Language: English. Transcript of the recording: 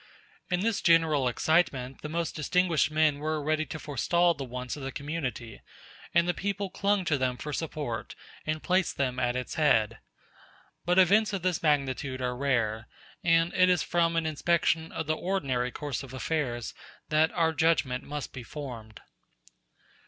In this general excitement the most distinguished men were ready to forestall the wants of the community, and the people clung to them for support, and placed them at its head. But events of this magnitude are rare, and it is from an inspection of the ordinary course of affairs that our judgment must be formed.